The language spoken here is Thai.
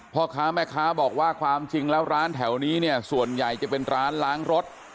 พ่อค้าแม่ค้าบอกว่าความจริงแล้วร้านแถวนี้เนี่ยส่วนใหญ่จะเป็นร้านล้างรถ